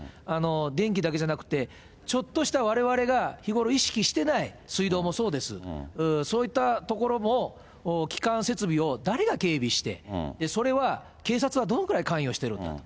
電気だけじゃなくて、ちょっとしたわれわれが日頃、意識していない、水道もそうです、そういったところも、基幹設備を誰が警備して、それは警察はどのくらい関与してるんだと。